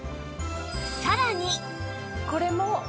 さらに